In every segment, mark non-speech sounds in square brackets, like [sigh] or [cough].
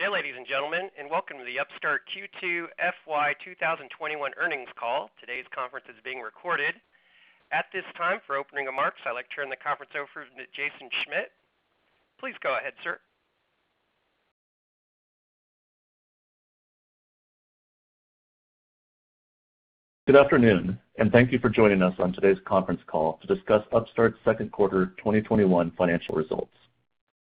Good day, ladies and gentlemen, welcome to the Upstart Q2 FY 2021 earnings call. Today's conference is being recorded. At this time, for opening remarks, I'd like to turn the conference over to Jason Schmidt. Please go ahead, sir. Good afternoon. Thank you for joining us on today's conference call to discuss Upstart's second quarter 2021 financial results.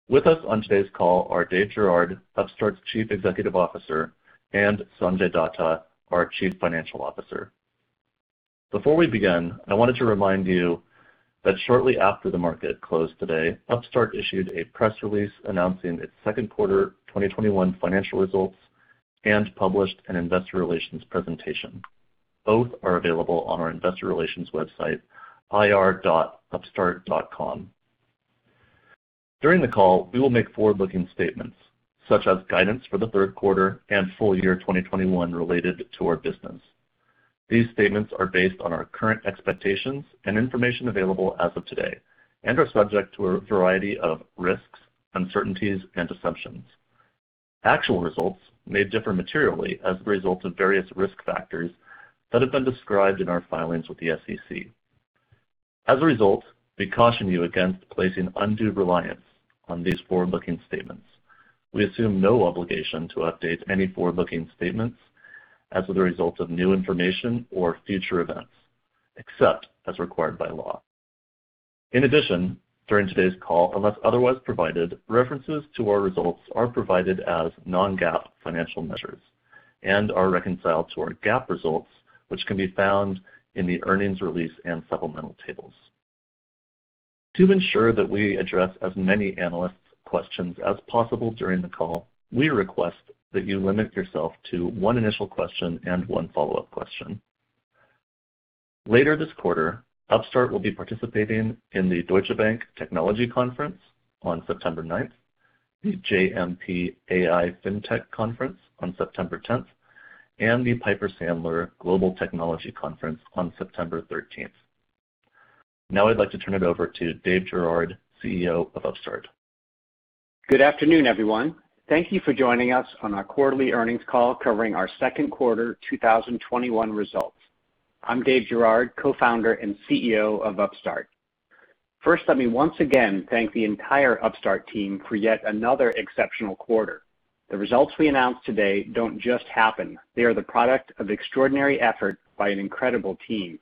With us on today's call are Dave Girouard, Upstart's Chief Executive Officer, and Sanjay Datta, our Chief Financial Officer. Before we begin, I wanted to remind you that shortly after the market closed today, Upstart issued a press release announcing its second quarter 2021 financial results and published an investor relations presentation. Both are available on our investor relations website, ir.upstart.com. During the call, we will make forward-looking statements, such as guidance for the third quarter and full year 2021 related to our business. These statements are based on our current expectations and information available as of today and are subject to a variety of risks, uncertainties, and assumptions. Actual results may differ materially as a result of various risk factors that have been described in our filings with the SEC. As a result, we caution you against placing undue reliance on these forward-looking statements. We assume no obligation to update any forward-looking statements as a result of new information or future events, except as required by law. In addition, during today's call, unless otherwise provided, references to our results are provided as non-GAAP financial measures and are reconciled to our GAAP results, which can be found in the earnings release and supplemental tables. To ensure that we address as many analysts' questions as possible during the call, we request that you limit yourself to one initial question and one follow-up question. Later this quarter, Upstart will be participating in the Deutsche Bank Technology Conference on September 9th, the JMP AI Fintech Conference on September 10th, and the Piper Sandler Global Technology Conference on September 13th. Now I'd like to turn it over to Dave Girouard, CEO of Upstart. Good afternoon, everyone. Thank you for joining us on our quarterly earnings call covering our second quarter 2021 results. I'm Dave Girouard, co-founder and CEO of Upstart. First, let me once again thank the entire Upstart team for yet another exceptional quarter. The results we announce today don't just happen. They are the product of extraordinary effort by an incredible team.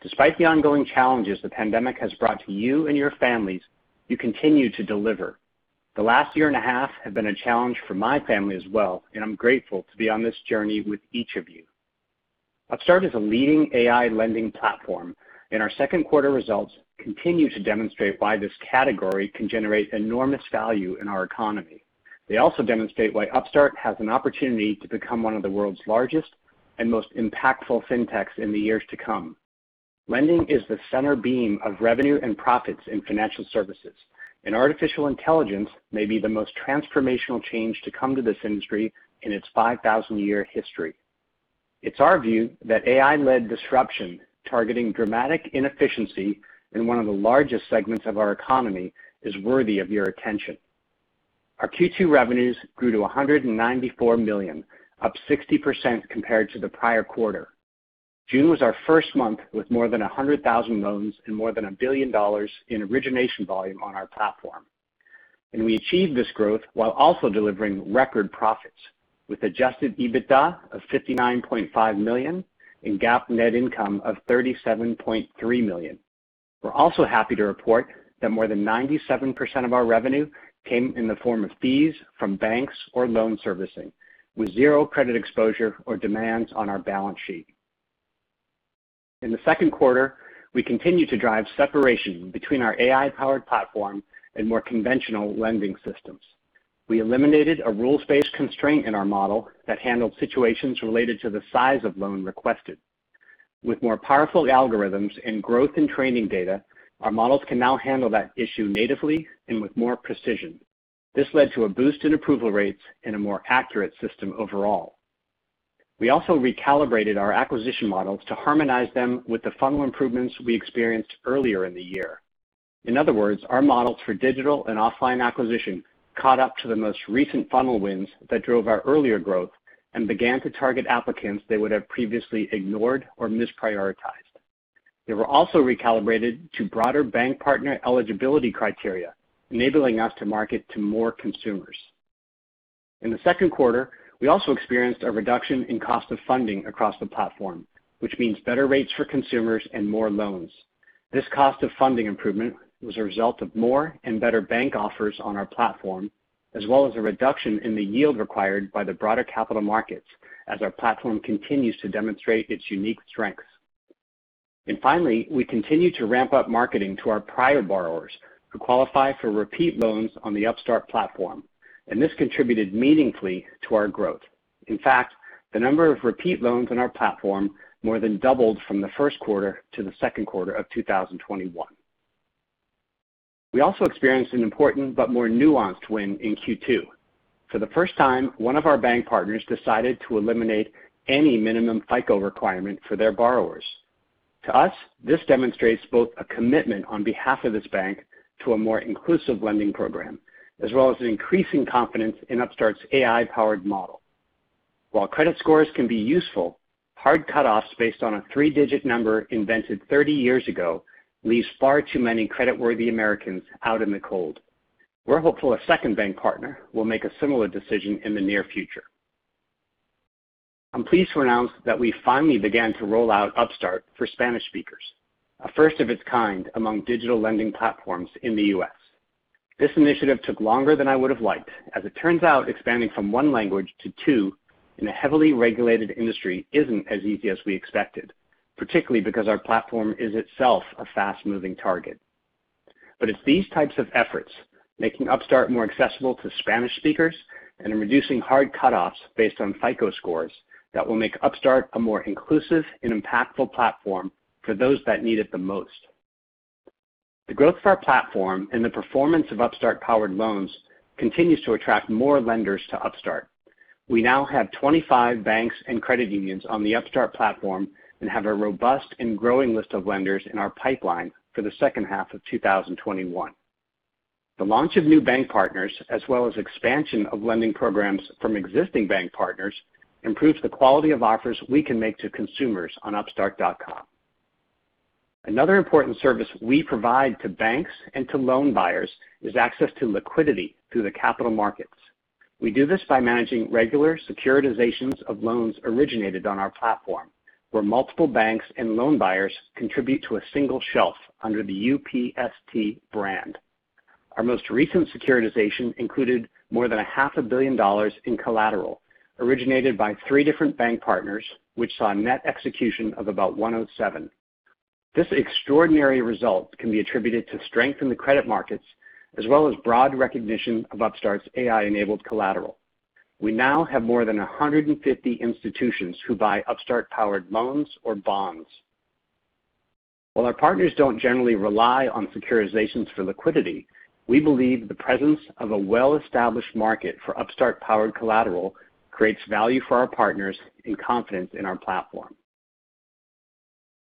Despite the ongoing challenges the pandemic has brought to you and your families, you continue to deliver. The last year and a half have been a challenge for my family as well, and I'm grateful to be on this journey with each of you. Upstart is a leading AI lending platform, and our second quarter results continue to demonstrate why this category can generate enormous value in our economy. They also demonstrate why Upstart has an opportunity to become one of the world's largest and most impactful fintechs in the years to come. Lending is the center beam of revenue and profits in financial services. Artificial intelligence may be the most transformational change to come to this industry in its 5,000-year history. It's our view that AI-led disruption targeting dramatic inefficiency in one of the largest segments of our economy is worthy of your attention. Our Q2 revenues grew to $194 million, up 60% compared to the prior quarter. June was our first month with more than 100,000 loans and more than $1 billion in origination volume on our platform. We achieved this growth while also delivering record profits with adjusted EBITDA of $59.5 million and GAAP net income of $37.3 million. We're also happy to report that more than 97% of our revenue came in the form of fees from banks or loan servicing, with zero credit exposure or demands on our balance sheet. In the second quarter, we continued to drive separation between our AI-powered platform and more conventional lending systems. We eliminated a rules-based constraint in our model that handled situations related to the size of loan requested. With more powerful algorithms and growth in training data, our models can now handle that issue natively and with more precision. This led to a boost in approval rates and a more accurate system overall. We also recalibrated our acquisition models to harmonize them with the funnel improvements we experienced earlier in the year. In other words, our models for digital and offline acquisition caught up to the most recent funnel wins that drove our earlier growth and began to target applicants they would have previously ignored or misprioritized. They were also recalibrated to broader bank partner eligibility criteria, enabling us to market to more consumers. In the second quarter, we also experienced a reduction in cost of funding across the platform, which means better rates for consumers and more loans. This cost of funding improvement was a result of more and better bank offers on our platform, as well as a reduction in the yield required by the broader capital markets as our platform continues to demonstrate its unique strengths. Finally, we continue to ramp up marketing to our prior borrowers who qualify for repeat loans on the Upstart platform, and this contributed meaningfully to our growth. In fact, the number of repeat loans on our platform more than doubled from the first quarter to the second quarter of 2021. We also experienced an important but more nuanced win in Q2. For the first time, one of our bank partners decided to eliminate any minimum FICO requirement for their borrowers. To us, this demonstrates both a commitment on behalf of this bank to a more inclusive lending program, as well as an increasing confidence in Upstart's AI-powered model. While credit scores can be useful, hard cutoffs based on a three-digit number invented 30 years ago leaves far too many creditworthy Americans out in the cold. We're hopeful a second bank partner will make a similar decision in the near future. I'm pleased to announce that we finally began to roll out Upstart for Spanish speakers, a first of its kind among digital lending platforms in the U.S. This initiative took longer than I would've liked. As it turns out, expanding from one language to two in a heavily regulated industry isn't as easy as we expected, particularly because our platform is itself a fast-moving target. It's these types of efforts, making Upstart more accessible to Spanish speakers, and in reducing hard cutoffs based on FICO scores, that will make Upstart a more inclusive and impactful platform for those that need it the most. The growth of our platform and the performance of Upstart-powered loans continues to attract more lenders to Upstart. We now have 25 banks and credit unions on the Upstart platform and have a robust and growing list of lenders in our pipeline for the second half of 2021. The launch of new bank partners, as well as expansion of lending programs from existing bank partners, improves the quality of offers we can make to consumers on upstart.com. Another important service we provide to banks and to loan buyers is access to liquidity through the capital markets. We do this by managing regular securitizations of loans originated on our platform, where multiple banks and loan buyers contribute to a single shelf under the UPST brand. Our most recent securitization included more than a half a billion dollars in collateral originated by three different bank partners, which saw a net execution of about 107%. This extraordinary result can be attributed to strength in the credit markets, as well as broad recognition of Upstart's AI-enabled collateral. We now have more than 150 institutions who buy Upstart-powered loans or bonds. While our partners don't generally rely on securitizations for liquidity, we believe the presence of a well-established market for Upstart-powered collateral creates value for our partners and confidence in our platform.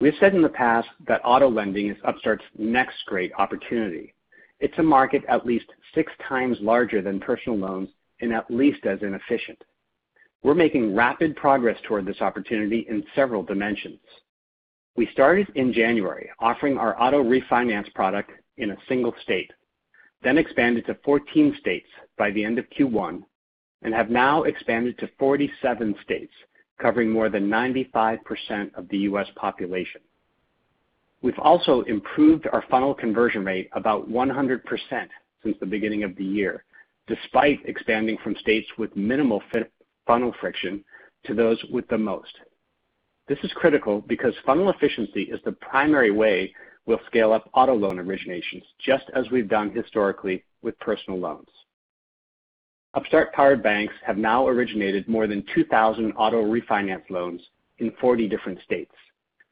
We've said in the past that auto lending is Upstart's next great opportunity. It's a market at least 6x larger than personal loans and at least as inefficient. We're making rapid progress toward this opportunity in several dimensions. We started in January, offering our auto refinance product in a single state, then expanded to 14 states by the end of Q1, and have now expanded to 47 states, covering more than 95% of the U.S. population. We've also improved our funnel conversion rate about 100% since the beginning of the year, despite expanding from states with minimal funnel friction to those with the most. This is critical because funnel efficiency is the primary way we'll scale up auto loan originations, just as we've done historically with personal loans. Upstart-powered banks have now originated more than 2,000 auto refinance loans in 40 different states,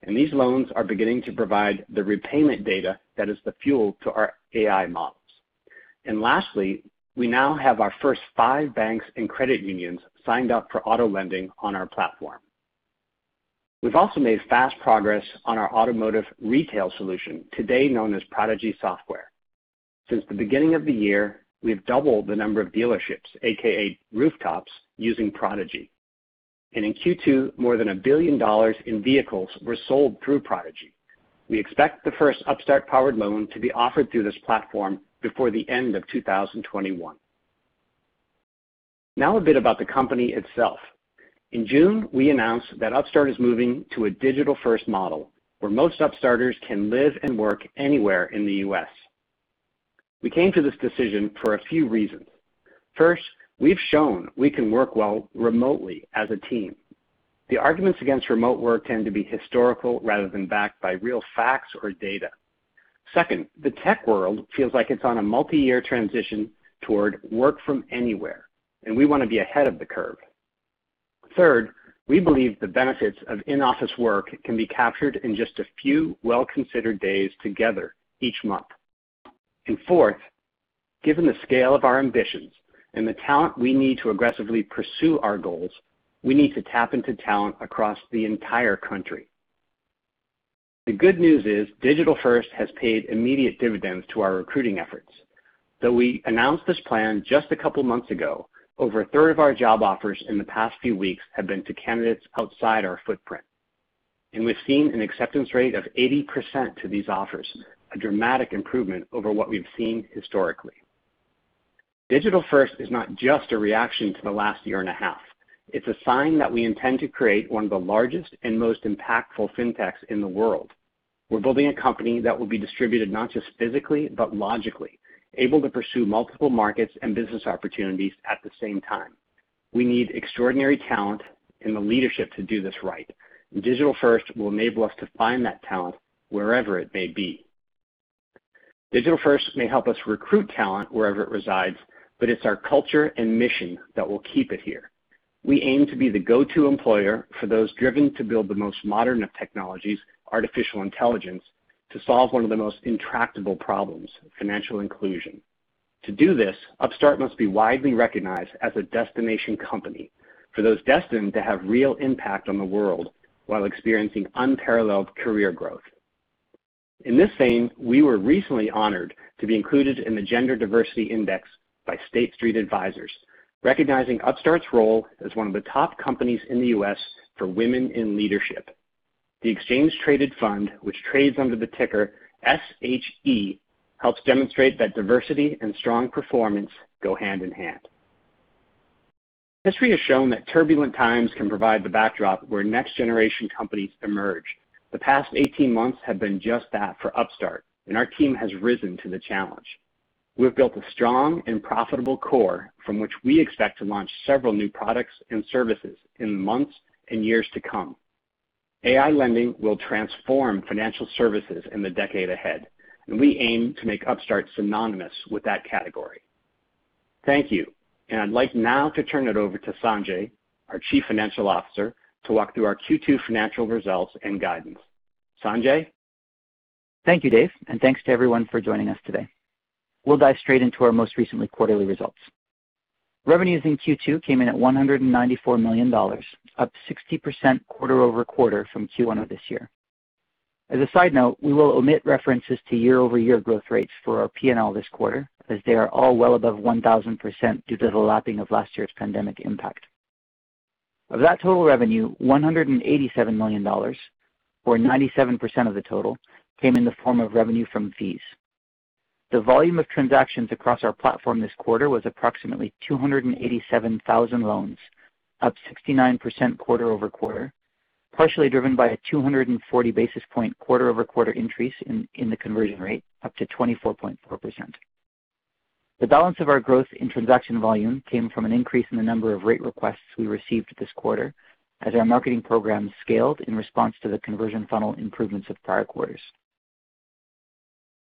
and these loans are beginning to provide the repayment data that is the fuel to our AI models. Lastly, we now have our first five banks and credit unions signed up for auto lending on our platform. We've also made fast progress on our automotive retail solution, today known as Prodigy Software. Since the beginning of the year, we've doubled the number of dealerships, AKA rooftops, using Prodigy. In Q2, more than $1 billion in vehicles were sold through Prodigy. We expect the first Upstart-powered loan to be offered through this platform before the end of 2021. Now a bit about the company itself. In June, we announced that Upstart is moving to a digital-first model where most Upstarters can live and work anywhere in the U.S. We came to this decision for a few reasons. First, we've shown we can work well remotely as a team. The arguments against remote work tend to be historical rather than backed by real facts or data. Second, the tech world feels like it's on a multi-year transition toward work from anywhere, and we want to be ahead of the curve. Third, we believe the benefits of in-office work can be captured in just a few well-considered days together each month. Fourth, given the scale of our ambitions and the talent we need to aggressively pursue our goals, we need to tap into talent across the entire country. The good news is digital-first has paid immediate dividends to our recruiting efforts. Though we announced this plan just a couple of months ago, over a third of our job offers in the past few weeks have been to candidates outside our footprint. We've seen an acceptance rate of 80% to these offers, a dramatic improvement over what we've seen historically. Digital-first is not just a reaction to the last year and a half. It's a sign that we intend to create one of the largest and most impactful fintechs in the world. We're building a company that will be distributed not just physically, but logically, able to pursue multiple markets and business opportunities at the same time. We need extraordinary talent and the leadership to do this right, and Digital-first will enable us to find that talent wherever it may be. Digital first may help us recruit talent wherever it resides, but it's our culture and mission that will keep it here. We aim to be the go-to employer for those driven to build the most modern of technologies, artificial intelligence, to solve one of the most intractable problems, financial inclusion. To do this, Upstart must be widely recognized as a destination company for those destined to have real impact on the world while experiencing unparalleled career growth. In this vein, we were recently honored to be included in the Gender Diversity Index by State Street Global Advisors, recognizing Upstart's role as one of the top companies in the U.S. for women in leadership. The exchange-traded fund, which trades under the ticker SHE, helps demonstrate that diversity and strong performance go hand in hand. History has shown that turbulent times can provide the backdrop where next-generation companies emerge. The past 18 months have been just that for Upstart, and our team has risen to the challenge. We've built a strong and profitable core from which we expect to launch several new products and services in months and years to come. AI lending will transform financial services in the decade ahead, and we aim to make Upstart synonymous with that category. Thank you, and I'd like now to turn it over to Sanjay, our Chief Financial Officer, to walk through our Q2 financial results and guidance. Sanjay? Thank you, Dave, and thanks to everyone for joining us today. We'll dive straight into our most recent quarterly results. Revenues in Q2 came in at $194 million, up 60% quarter-over-quarter from Q1 of this year. As a side note, we will omit references to year-over-year growth rates for our P&L this quarter as they are all well above 1,000% due to the lapping of last year's pandemic impact. Of that total revenue, $187 million, or 97% of the total, came in the form of revenue from fees. The volume of transactions across our platform this quarter was approximately 287,000 loans, up 69% quarter-over-quarter, partially driven by a 240 basis point quarter-over-quarter increase in the conversion rate up to 24.4%. The balance of our growth in transaction volume came from an increase in the number of rate requests we received this quarter as our marketing programs scaled in response to the conversion funnel improvements of prior quarters.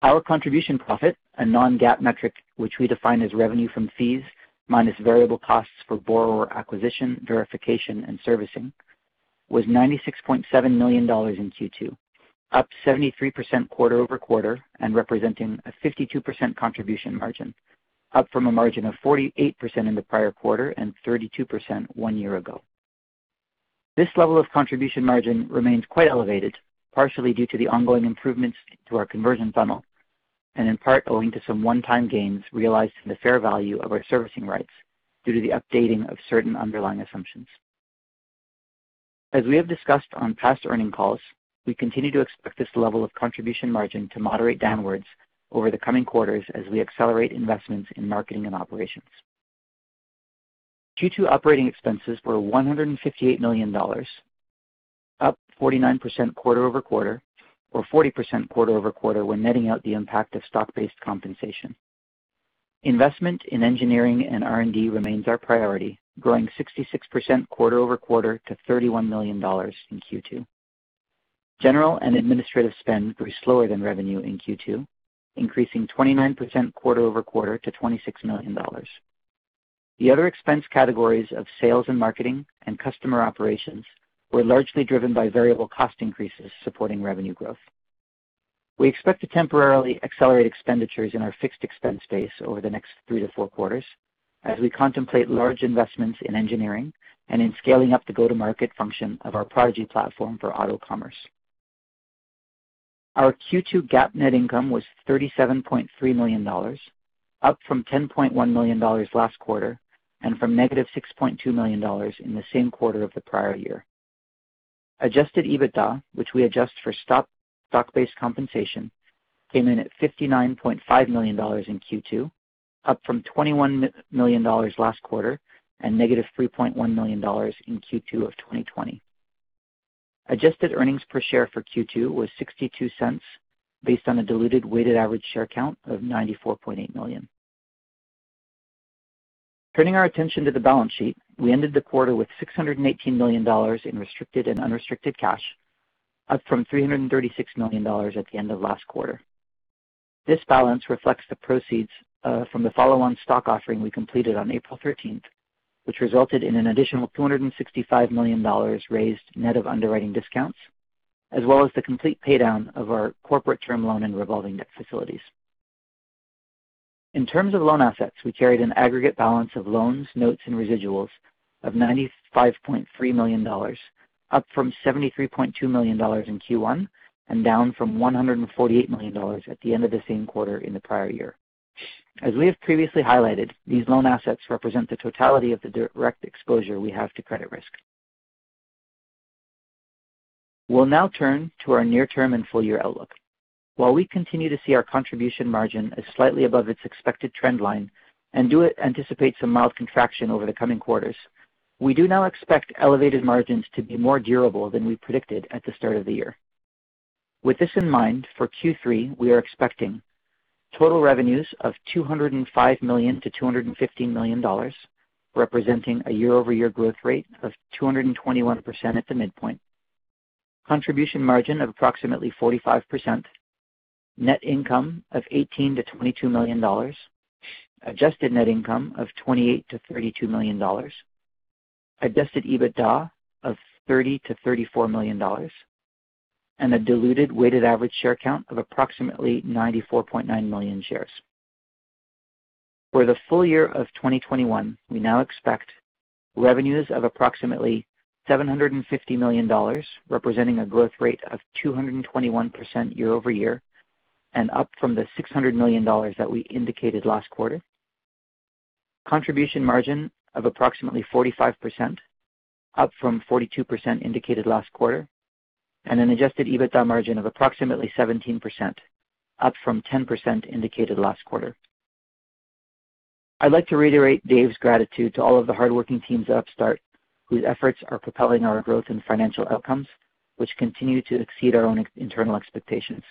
Our contribution profit, a non-GAAP metric which we define as revenue from fees minus variable costs for borrower acquisition, verification, and servicing, was $96.7 million in Q2, up 73% quarter-over-quarter and representing a 52% contribution margin, up from a margin of 48% in the prior quarter and 32% one year ago. This level of contribution margin remains quite elevated, partially due to the ongoing improvements to our conversion funnel and in part owing to some one-time gains realized in the fair value of our servicing rights due to the updating of certain underlying assumptions. As we have discussed on past earnings calls, we continue to expect this level of contribution margin to moderate downwards over the coming quarters as we accelerate investments in marketing and operations. Q2 operating expenses were $158 million, up 49% quarter-over-quarter, or 40% quarter-over-quarter when netting out the impact of stock-based compensation. Investment in engineering and R&D remains our priority, growing 66% quarter-over-quarter to $31 million in Q2. General and administrative spend grew slower than revenue in Q2, increasing 29% quarter-over-quarter to $26 million. The other expense categories of sales and marketing and customer operations were largely driven by variable cost increases supporting revenue growth. We expect to temporarily accelerate expenditures in our fixed expense base over the next three to four quarters as we contemplate large investments in engineering and in scaling up the go-to-market function of our Prodigy platform for auto commerce. Our Q2 GAAP net income was $37.3 million, up from $10.1 million last quarter, and from negative $6.2 million in the same quarter of the prior year. adjusted EBITDA, which we adjust for stock-based compensation, came in at $59.5 million in Q2, up from $21 million last quarter and negative $3.1 million in Q2 of 2020. Adjusted earnings per share for Q2 was $0.62 based on a diluted weighted average share count of 94.8 million. Turning our attention to the balance sheet, we ended the quarter with $618 million in restricted and unrestricted cash, up from $336 million at the end of last quarter. This balance reflects the proceeds from the follow-on stock offering we completed on April 13th, which resulted in an additional $265 million raised net of underwriting discounts, as well as the complete paydown of our corporate term loan and revolving debt facilities. In terms of loan assets, we carried an aggregate balance of loans, notes, and residuals of $95.3 million, up from $73.2 million in Q1 and down from $148 million at the end of the same quarter in the prior year. As we have previously highlighted, these loan assets represent the totality of the direct exposure we have to credit risk. We'll now turn to our near-term and full-year outlook. While we continue to see our contribution margin as slightly above its expected trend line and do anticipate some mild contraction over the coming quarters, we do now expect elevated margins to be more durable than we predicted at the start of the year. With this in mind, for Q3, we are expecting total revenues of $205 million-$215 million, representing a year-over-year growth rate of 221% at the midpoint. Contribution margin of approximately 45%. Net income of $18 million-$22 million. Adjusted net income of $28 million-$32 million. Adjusted EBITDA of $30 million-$34 million, and a diluted weighted average share count of approximately 94.9 million shares. For the full year of 2021, we now expect revenues of approximately $750 million, representing a growth rate of 221% year-over-year, and up from the $600 million that we indicated last quarter. Contribution margin of approximately 45%, up from 42% indicated last quarter, and an adjusted EBITDA margin of approximately 17%, up from 10% indicated last quarter. I'd like to reiterate Dave's gratitude to all of the hardworking teams at Upstart, whose efforts are propelling our growth and financial outcomes, which continue to exceed our own internal expectations.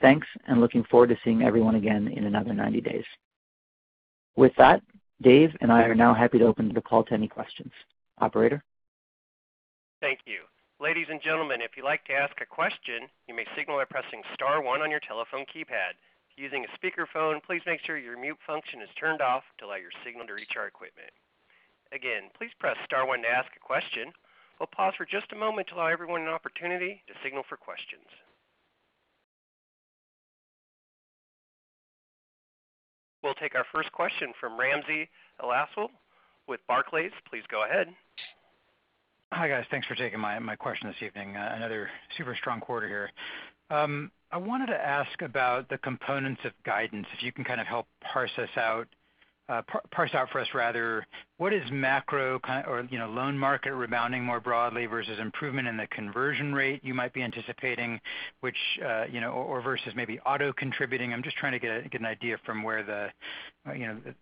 Thanks. Looking forward to seeing everyone again in another 90 days. With that, Dave and I are now happy to open the call to any questions. Operator? We'll take our first question from Ramsey El-Assal with Barclays. Please go ahead. Hi, guys. Thanks for taking my question this evening. Another super strong quarter here. I wanted to ask about the components of guidance, if you can kind of help parse this out for us. What is macro or loan market rebounding more broadly versus improvement in the conversion rate you might be anticipating versus maybe auto contributing? I'm just trying to get an idea from where the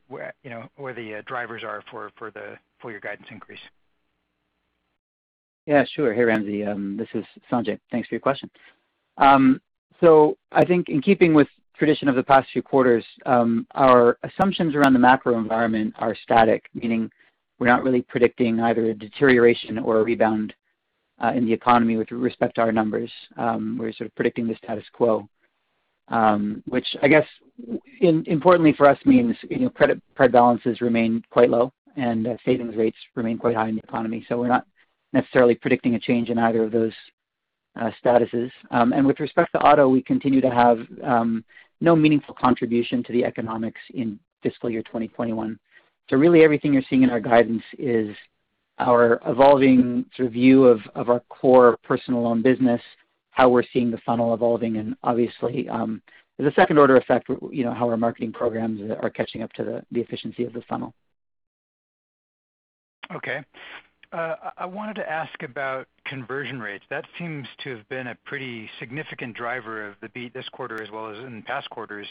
drivers are for your guidance increase? Yeah, sure. Hey, Ramsey. This is Sanjay. Thanks for your question. I think in keeping with tradition of the past few quarters, our assumptions around the macro environment are static, meaning we're not really predicting either a deterioration or a rebound in the economy with respect to our numbers. We're sort of predicting the status quo, which I guess importantly for us means credit card balances remain quite low, and savings rates remain quite high in the economy. We're not necessarily predicting a change in either of those statuses. With respect to auto, we continue to have no meaningful contribution to the economics in fiscal year 2021. Really everything you're seeing in our guidance is our evolving sort of view of our core personal loan business, how we're seeing the funnel evolving, and obviously as a second order effect, how our marketing programs are catching up to the efficiency of the funnel. Okay. I wanted to ask about conversion rates. That seems to have been a pretty significant driver of the beat this quarter as well as in past quarters.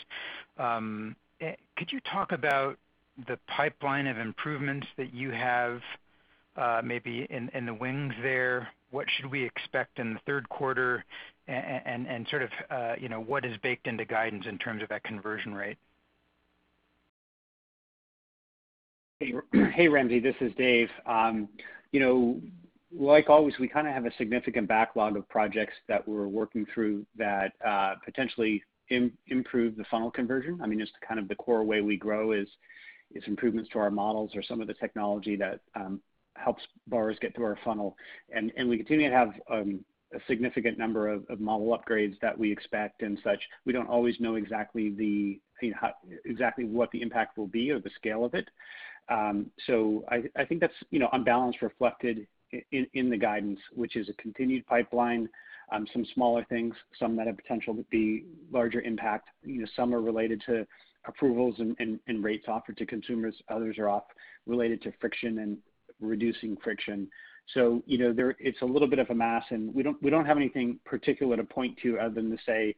Could you talk about the pipeline of improvements that you have maybe in the wings there? What should we expect in the third quarter? Sort of what is baked into guidance in terms of that conversion rate? Hey, Ramsey. This is Dave. Like always, we kind of have a significant backlog of projects that we're working through that potentially improve the funnel conversion. I mean, just kind of the core way we grow is improvements to our models or some of the technology that helps borrowers get through our funnel. We continue to have a significant number of model upgrades that we expect and such. We don't always know exactly what the impact will be or the scale of it. I think that's on balance reflected in the guidance, which is a continued pipeline. Some smaller things, some that have potential to be larger impact. Some are related to approvals and rates offered to consumers. Others are related to friction and reducing friction. It's a little bit of a mass, and we don't have anything particular to point to other than to say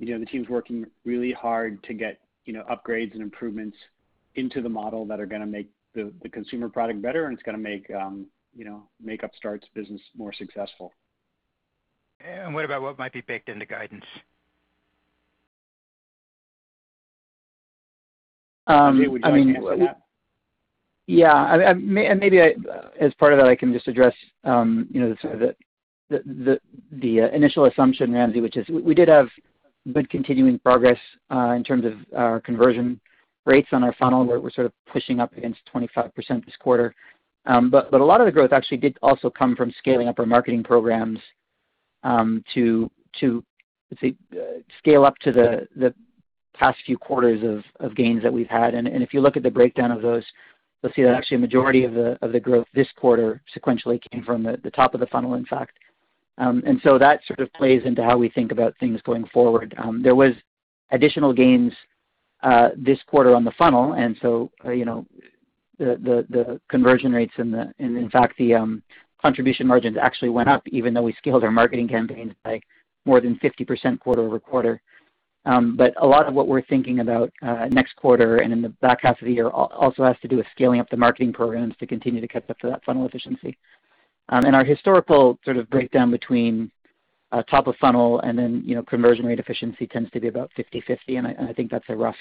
the team's working really hard to get upgrades and improvements into the model that are going to make the consumer product better, and it's going to make Upstart's business more successful. What about what might be baked into guidance? I mean. [crosstalk] Sanjay, would you like to answer that? Yeah. Maybe as part of that, I can just address the sort of the initial assumption, Ramsey, which is we did have good continuing progress in terms of our conversion rates on our funnel, where we're sort of pushing up against 25% this quarter. A lot of the growth actually did also come from scaling up our marketing programs to scale up to the past few quarters of gains that we've had. If you look at the breakdown of those, you'll see that actually a majority of the growth this quarter sequentially came from the top of the funnel, in fact. That sort of plays into how we think about things going forward. There was additional gains this quarter on the funnel, and so the conversion rates and in fact the contribution margins actually went up even though we scaled our marketing campaigns by more than 50% quarter-over-quarter. A lot of what we're thinking about next quarter and in the back half of the year also has to do with scaling up the marketing programs to continue to catch up to that funnel efficiency. Our historical sort of breakdown between top of funnel and then conversion rate efficiency tends to be about 50/50. I think that's a rough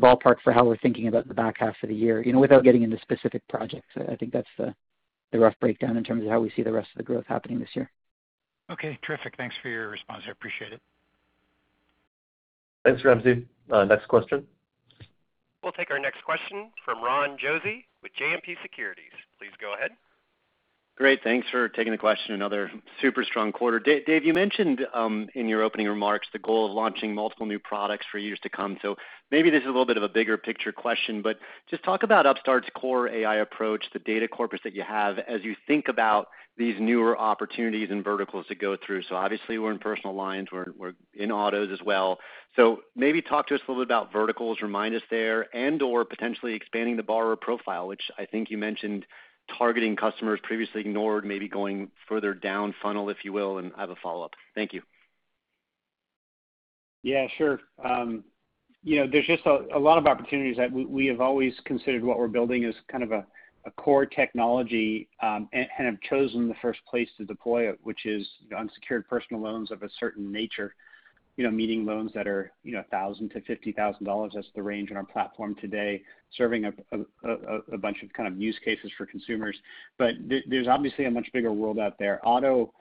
ballpark for how we're thinking about the back half of the year. Without getting into specific projects, I think that's the rough breakdown in terms of how we see the rest of the growth happening this year. Okay. Terrific. Thanks for your response. I appreciate it. Thanks, Ramsey. Next question. We'll take our next question from Ron Josey with JMP Securities. Please go ahead. Great. Thanks for taking the question. Another super strong quarter. Dave, you mentioned, in your opening remarks, the goal of launching multiple new products for years to come. Maybe this is a little bit of a bigger picture question, but just talk about Upstart's core AI approach, the data corpus that you have as you think about these newer opportunities and verticals to go through. Obviously we're in personal lines, we're in autos as well. Maybe talk to us a little bit about verticals, remind us there and/or potentially expanding the borrower profile, which I think you mentioned targeting customers previously ignored, maybe going further down funnel, if you will, and I have a follow-up. Thank you. Sure. There's just a lot of opportunities that we have always considered what we're building as kind of a core technology, and have chosen the first place to deploy it, which is unsecured personal loans of a certain nature. Meaning loans that are $1,000-$50,000. That's the range on our platform today, serving up a bunch of use cases for consumers. There's obviously a much bigger world out there. Auto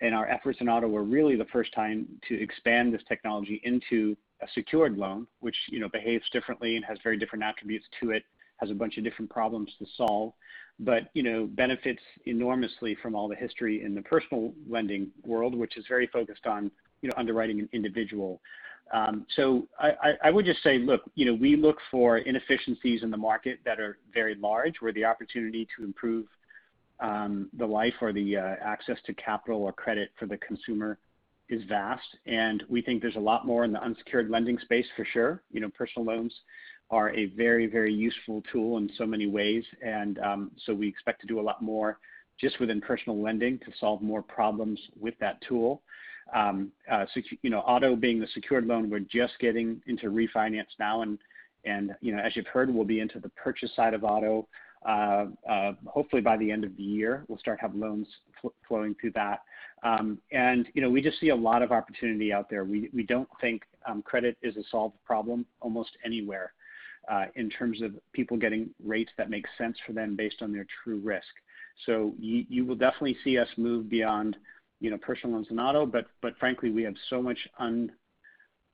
and our efforts in auto were really the first time to expand this technology into a secured loan, which behaves differently and has very different attributes to it, has a bunch of different problems to solve. Benefits enormously from all the history in the personal lending world, which is very focused on underwriting an individual. I would just say, look, we look for inefficiencies in the market that are very large, where the opportunity to improve the life or the access to capital or credit for the consumer is vast. We think there's a lot more in the unsecured lending space for sure. Personal loans are a very, very useful tool in so many ways. We expect to do a lot more just within personal lending to solve more problems with that tool. Auto being the secured loan, we're just getting into refinance now, and as you've heard, we'll be into the purchase side of auto. Hopefully, by the end of the year, we'll start to have loans flowing through that. We just see a lot of opportunity out there. We don't think credit is a solved problem almost anywhere, in terms of people getting rates that make sense for them based on their true risk. You will definitely see us move beyond personal loans and auto. Frankly, we have so much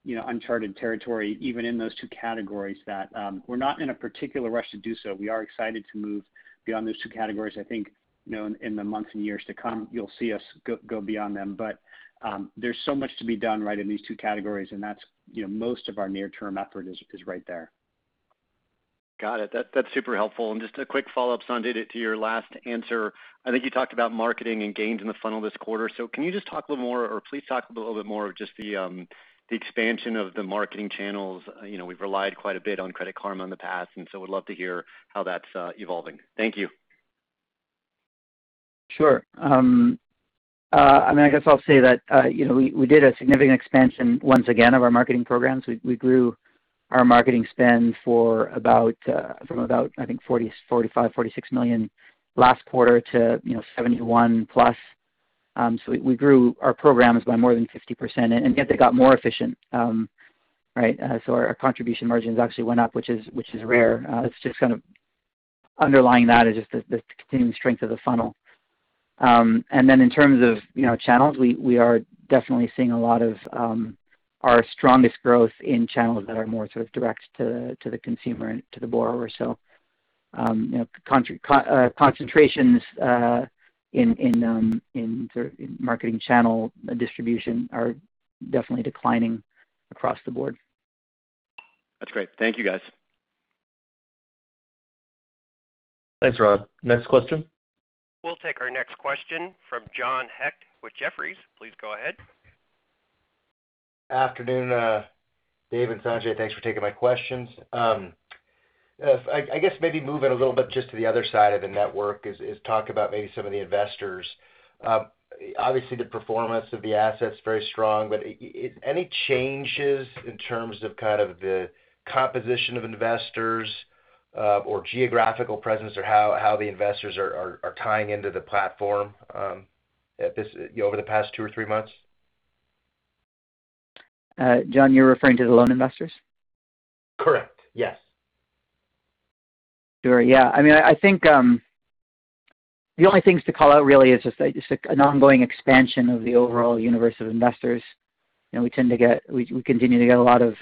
uncharted territory, even in those two categories, that we're not in a particular rush to do so. We are excited to move beyond those two categories. I think in the months and years to come, you'll see us go beyond them. There's so much to be done right in these two categories, and most of our near-term effort is right there. Got it. That's super helpful. Just a quick follow-up, Sanjay, to your last answer. I think you talked about marketing and gains in the funnel this quarter. Can you just talk a little more, or please talk a little bit more of just the expansion of the marketing channels. We've relied quite a bit on Credit Karma in the past, we'd love to hear how that's evolving. Thank you. Sure. I guess I'll say that we did a significant expansion once again of our marketing programs. We grew our marketing spend from about, I think $45 million, $46 million last quarter to $71 million+. We grew our programs by more than 50%, and yet they got more efficient. Our contribution margins actually went up, which is rare. Underlying that is just the continuing strength of the funnel. Then in terms of channels, we are definitely seeing a lot of our strongest growth in channels that are more direct to the consumer and to the borrower. Concentrations in marketing channel distribution are definitely declining across the board. That's great. Thank you, guys. Thanks, Ron. Next question. We'll take our next question from John Hecht with Jefferies. Please go ahead. Afternoon Dave and Sanjay. Thanks for taking my questions. I guess maybe move it a little bit just to the other side of the network is talk about maybe some of the investors. Obviously, the performance of the asset is very strong, but any changes in terms of the composition of investors or geographical presence, or how the investors are tying into the platform over the past two or three months? John, you're referring to the loan investors? Correct. Yes. Sure. Yeah. I think the only things to call out really is just an ongoing expansion of the overall universe of investors. We continue to get a lot of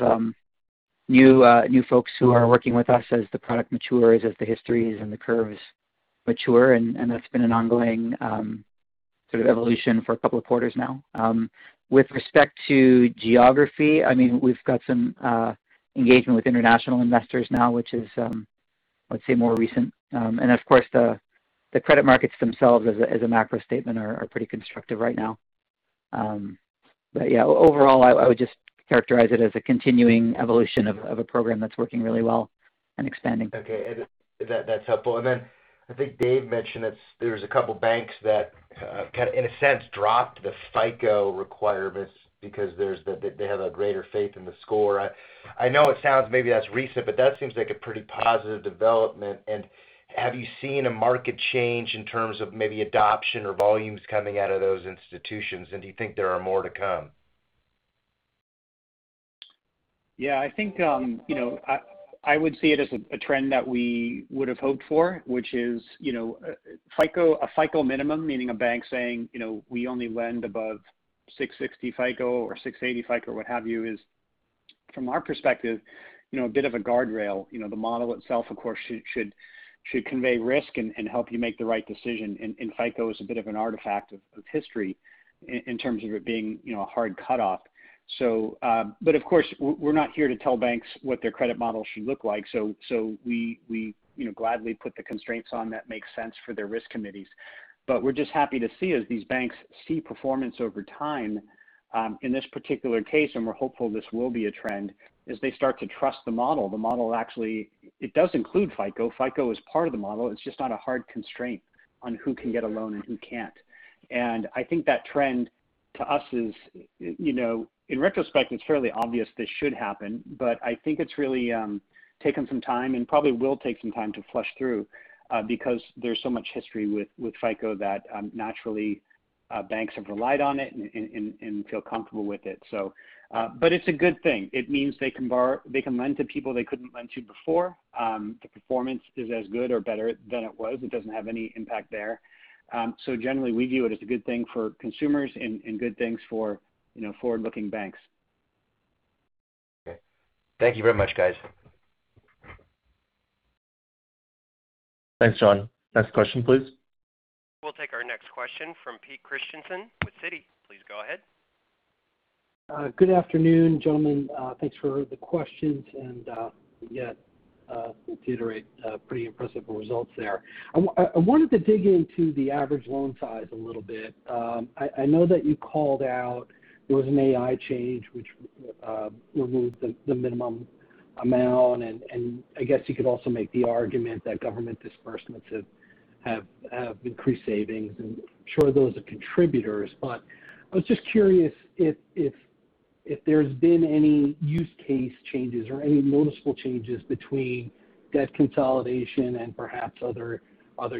new folks who are working with us as the product matures, as the histories and the curves mature, and that's been an ongoing evolution for a couple of quarters now. With respect to geography, we've got some engagement with international investors now, which is, let's say, more recent. Of course, the credit markets themselves as a macro statement are pretty constructive right now. Overall, I would just characterize it as a continuing evolution of a program that's working really well and expanding. Okay. That's helpful. I think Dave mentioned there's a couple banks that kind of, in a sense, dropped the FICO requirements because they have a greater faith in the score. I know it sounds maybe that's recent, but that seems like a pretty positive development. Have you seen a market change in terms of maybe adoption or volumes coming out of those institutions? Do you think there are more to come? Yeah, I would see it as a trend that we would've hoped for, which is a FICO minimum, meaning a bank saying, "We only lend above 660 FICO or 680 FICO," or what have you, is from our perspective, a bit of a guardrail. The model itself, of course, should convey risk and help you make the right decision. FICO is a bit of an artifact of history in terms of it being a hard cutoff. Of course, we're not here to tell banks what their credit model should look like. We gladly put the constraints on that make sense for their risk committees. We're just happy to see as these banks see performance over time, in this particular case, and we're hopeful this will be a trend, is they start to trust the model. The model actually does include FICO. FICO is part of the model. It's just not a hard constraint on who can get a loan and who can't. I think that trend to us is, in retrospect, it's fairly obvious this should happen, but I think it's really taken some time and probably will take some time to flush through because there's so much history with FICO that naturally banks have relied on it and feel comfortable with it. It's a good thing. It means they can lend to people they couldn't lend to before. The performance is as good or better than it was. It doesn't have any impact there. Generally, we view it as a good thing for consumers and good things for forward-looking banks. Okay. Thank you very much, guys. Thanks, John. Next question, please. We'll take our next question from Peter Christiansen with Citi. Please go ahead. Good afternoon, gentlemen. Thanks for the questions. Yet, to iterate, pretty impressive results there. I wanted to dig into the average loan size a little bit. I know that you called out there was an AI change which removed the minimum amount. I guess you could also make the argument that government disbursements have increased savings. Sure, those are contributors, but I was just curious if there's been any use case changes or any noticeable changes between debt consolidation and perhaps other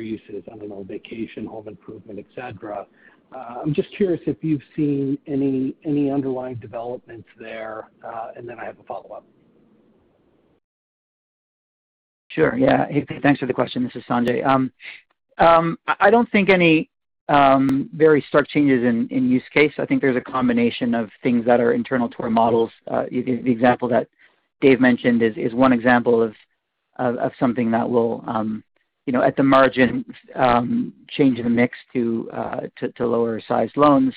uses. I don't know, vacation, home improvement, et cetera. I'm just curious if you've seen any underlying developments there. I have a follow-up. Sure, yeah. Hey, Pete. Thanks for the question. This is Sanjay. I don't think any very stark changes in use case. I think there's a combination of things that are internal to our models. The example that Dave mentioned is one example of something that will, at the margin, change the mix to lower sized loans.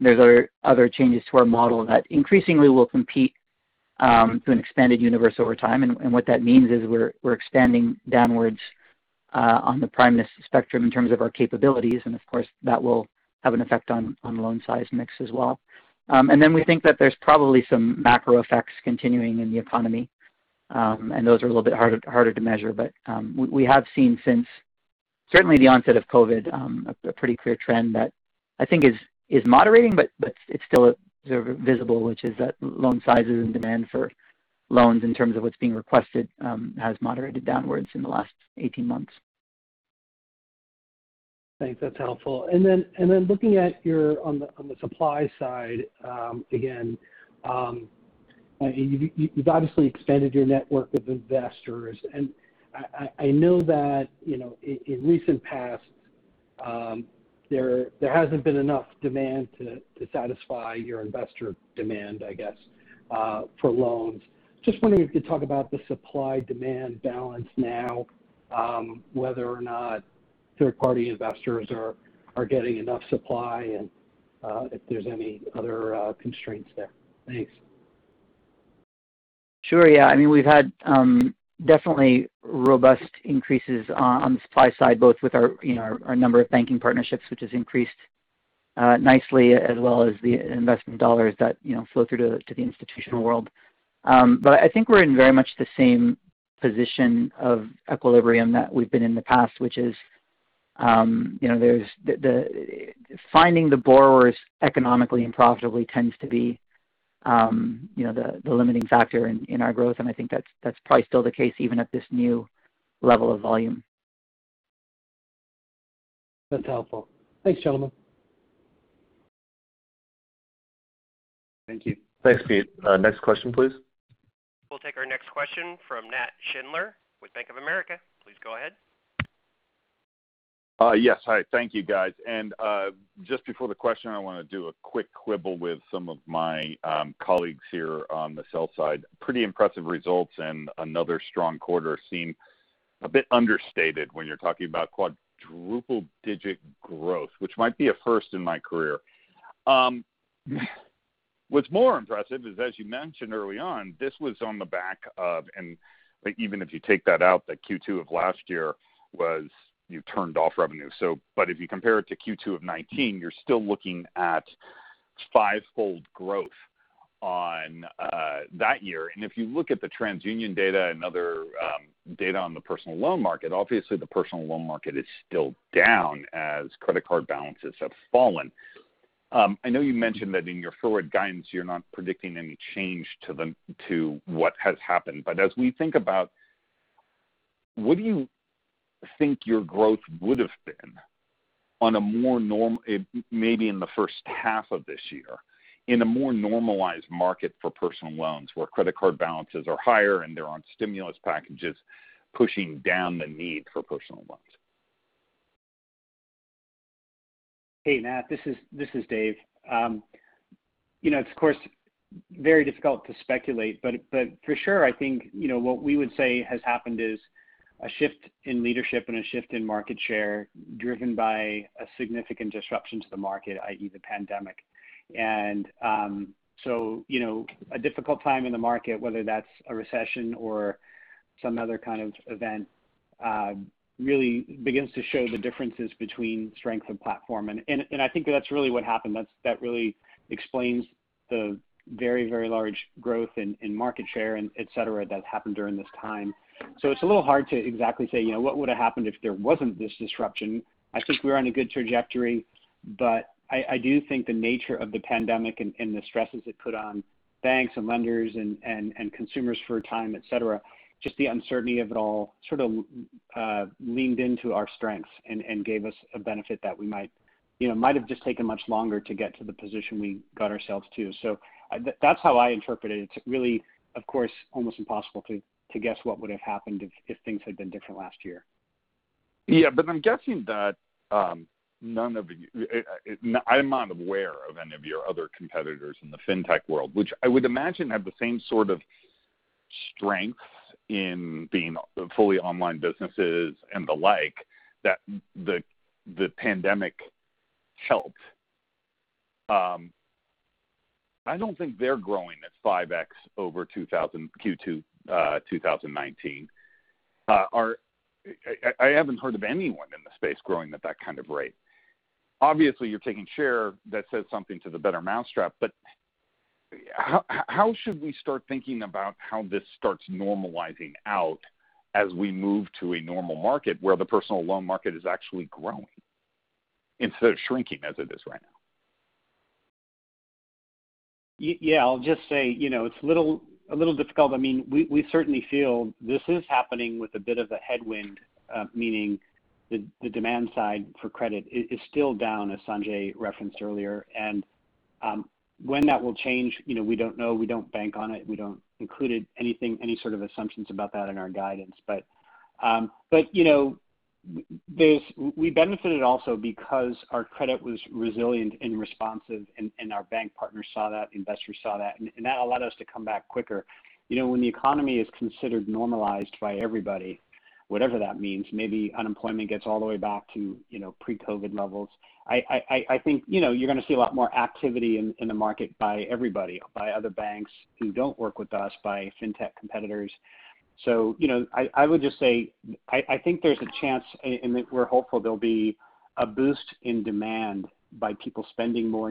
There's other changes to our model that increasingly will compete to an expanded universe over time, and what that means is we're expanding downwards on the primeness spectrum in terms of our capabilities, and of course, that will have an effect on loan size mix as well. We think that there's probably some macro effects continuing in the economy, and those are a little bit harder to measure. We have seen since certainly the onset of COVID, a pretty clear trend that I think is moderating but it's still visible, which is that loan sizes and demand for loans in terms of what's being requested has moderated downwards in the last 18 months. Thanks. That's helpful. Looking on the supply side, again, you've obviously extended your network of investors. I know that in recent past there hasn't been enough demand to satisfy your investor demand, I guess, for loans. Just wondering if you could talk about the supply-demand balance now, whether or not third-party investors are getting enough supply and if there's any other constraints there. Thanks. Sure, yeah. We've had definitely robust increases on the supply side, both with our number of banking partnerships, which has increased nicely, as well as the investment dollars that flow through to the institutional world. I think we're in very much the same position of equilibrium that we've been in the past, which is finding the borrowers economically and profitably tends to be the limiting factor in our growth, and I think that's probably still the case even at this new level of volume. That's helpful. Thanks, gentlemen. Thank you. Thanks, Pete. Next question, please. We'll take our next question from Nat Schindler with Bank of America. Please go ahead. Yes. Hi. Thank you, guys. Just before the question, I want to do a quick quibble with some of my colleagues here on the sell side. Pretty impressive results and another strong quarter seem a bit understated when you're talking about quadruple-digit growth, which might be a first in my career. What's more impressive is, as you mentioned early on, this was on the back of even if you take that out, that Q2 of last year was you turned off revenue. If you compare it to Q2 of 2019, you're still looking at fivefold growth on that year. If you look at the TransUnion data and other data on the personal loan market, obviously the personal loan market is still down as credit card balances have fallen. I know you mentioned that in your forward guidance, you're not predicting any change to what has happened. As we think about, what do you think your growth would've been, maybe in the first half of this year, in a more normalized market for personal loans where credit card balances are higher and there aren't stimulus packages pushing down the need for personal loans? Hey, Nat. This is Dave. It's of course very difficult to speculate, but for sure, I think, what we would say has happened is a shift in leadership and a shift in market share driven by a significant disruption to the market, i.e., the pandemic. A difficult time in the market, whether that's a recession or some other kind of event, really begins to show the differences between strength of platform. I think that's really what happened. That really explains the very large growth in market share, et cetera, that's happened during this time. It's a little hard to exactly say, what would've happened if there wasn't this disruption. I think we were on a good trajectory, but I do think the nature of the pandemic and the stresses it put on banks and lenders and consumers for a time, et cetera, just the uncertainty of it all sort of leaned into our strength and gave us a benefit that might have just taken much longer to get to the position we got ourselves to. That's how I interpret it. It's really, of course, almost impossible to guess what would've happened if things had been different last year. Yeah. I am not aware of any of your other competitors in the fintech world, which I would imagine have the same sort of strength in being fully online businesses and the like, that the pandemic helped. I don't think they're growing at 5x over Q2 2019. I haven't heard of anyone in the space growing at that kind of rate. Obviously, you're taking share. That says something to the better mousetrap, but how should we start thinking about how this starts normalizing out as we move to a normal market where the personal loan market is actually growing instead of shrinking as it is right now? I'll just say, it's a little difficult. We certainly feel this is happening with a bit of a headwind. Meaning the demand side for credit is still down, as Sanjay referenced earlier. When that will change, we don't know. We don't bank on it. We don't include any sort of assumptions about that in our guidance. We benefited also because our credit was resilient and responsive, and our bank partners saw that, investors saw that. That allowed us to come back quicker. When the economy is considered normalized by everybody, whatever that means, maybe unemployment gets all the way back to pre-COVID levels. I think you're going to see a lot more activity in the market by everybody. By other banks who don't work with us, by fintech competitors. I would just say, I think there's a chance, and we're hopeful there'll be a boost in demand by people spending more,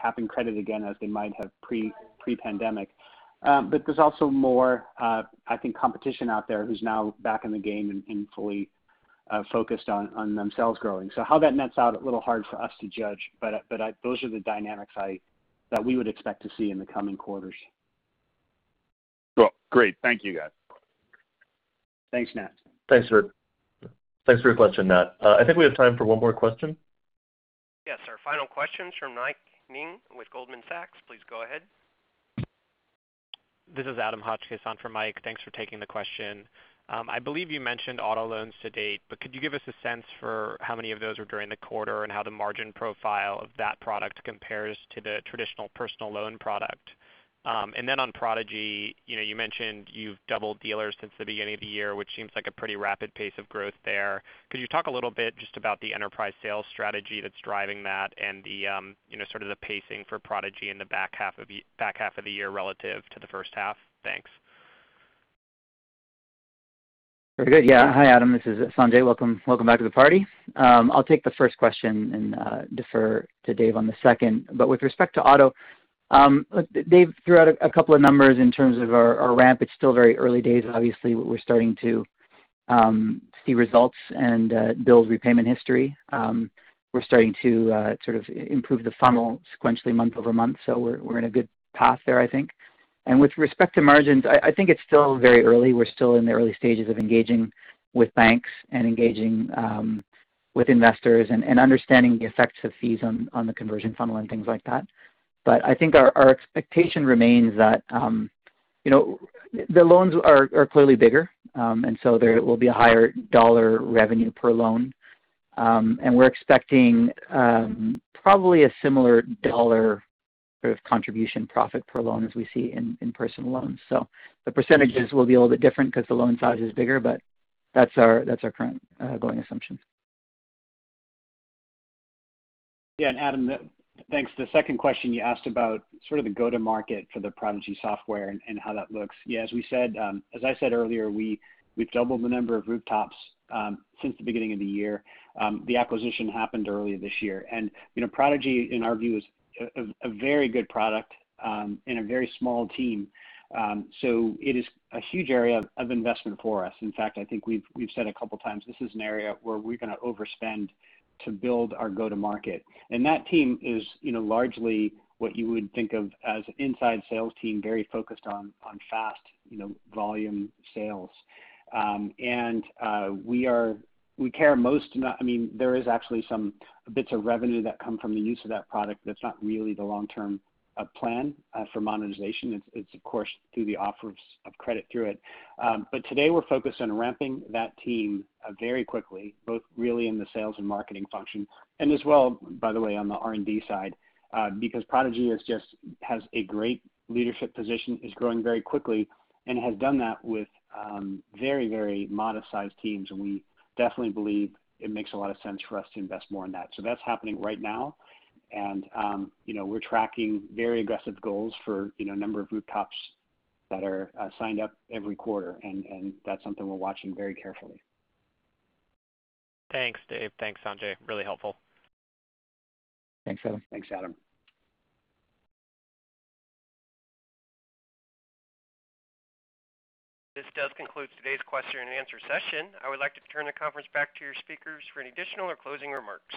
tapping credit again as they might have pre-pandemic. There's also more, I think, competition out there who's now back in the game and fully focused on themselves growing. How that nets out, a little hard for us to judge, but those are the dynamics that we would expect to see in the coming quarters. Well, great. Thank you, guys. Thanks, Nat. Thanks for your question, Nat. I think we have time for one more question. Yes, our final question's from Mike Ng with Goldman Sachs. Please go ahead. This is Adam Hodge, in for Mike. Thanks for taking the question. I believe you mentioned auto loans to date, but could you give us a sense for how many of those were during the quarter and how the margin profile of that product compares to the traditional personal loan product? On Prodigy, you mentioned you've doubled dealers since the beginning of the year, which seems like a pretty rapid pace of growth there. Could you talk a little bit just about the enterprise sales strategy that's driving that and the sort of the pacing for Prodigy in the back half of the year relative to the first half? Thanks. Very good. Hi, Adam. This is Sanjay. Welcome back to the party. I'll take the first question and defer to Dave on the second. With respect to auto, Dave threw out a couple of numbers in terms of our ramp. It's still very early days. Obviously, we're starting to see results and build repayment history. We're starting to sort of improve the funnel sequentially month-over-month. We're in a good path there, I think. With respect to margins, I think it's still very early. We're still in the early stages of engaging with banks and engaging with investors and understanding the effects of fees on the conversion funnel and things like that. I think our expectation remains that the loans are clearly bigger. There will be a higher dollar revenue per loan. We're expecting probably a similar dollar sort of contribution profit per loan as we see in personal loans. The percentages will be a little bit different because the loan size is bigger, but that's our current going assumption. Yeah. Adam, thanks. The second question you asked about sort of the go-to-market for the Prodigy Software and how that looks. Yeah, as I said earlier, we've doubled the number of rooftops since the beginning of the year. The acquisition happened earlier this year. Prodigy, in our view, is a very good product and a very small team. It is a huge area of investment for us. In fact, I think we've said a couple times, this is an area where we're going to overspend to build our go-to-market. That team is largely what you would think of as inside sales team, very focused on fast volume sales. There is actually some bits of revenue that come from the use of that product, that's not really the long-term plan for monetization. It's of course, through the offers of credit through it. Today we're focused on ramping that team very quickly, both really in the sales and marketing function, and as well, by the way, on the R&D side. Prodigy has a great leadership position, is growing very quickly, and has done that with very modest-sized teams. We definitely believe it makes a lot of sense for us to invest more in that. That's happening right now, and we're tracking very aggressive goals for a number of rooftops that are signed up every quarter, and that's something we're watching very carefully. Thanks, Dave. Thanks, Sanjay. Really helpful. Thanks, Adam. [crosstalk] This does conclude today's question and answer session. I would like to turn the conference back to your speakers for any additional or closing remarks.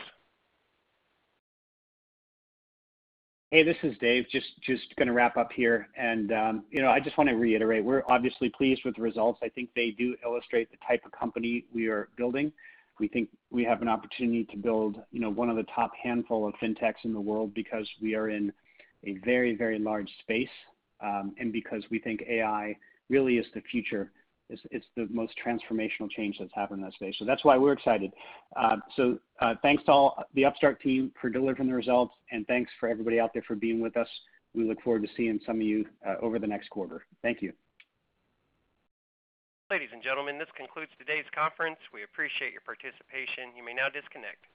Hey, this is Dave. Just going to wrap up here. I just want to reiterate, we're obviously pleased with the results. I think they do illustrate the type of company we are building. We think we have an opportunity to build one of the top handful of fintechs in the world because we are in a very large space, and because we think AI really is the future. It's the most transformational change that's happened in that space. That's why we're excited. Thanks to all the Upstart team for delivering the results, and thanks for everybody out there for being with us. We look forward to seeing some of you over the next quarter. Thank you. Ladies and gentlemen, this concludes today's conference. We appreciate your participation. You may now disconnect.